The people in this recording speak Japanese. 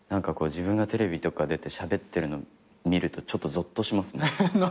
自分がテレビとか出てしゃべってるの見るとちょっとぞっとします。